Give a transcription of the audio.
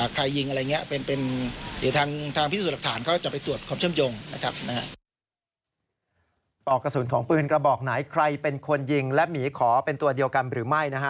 ใครเป็นคนยิงและหมีขอเป็นตัวเดียวกันหรือไม่นะฮะ